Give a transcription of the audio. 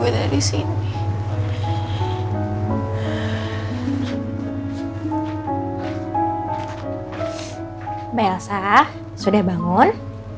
belsa sudah bangun